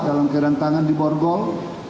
dalam keadaan tangan di borgol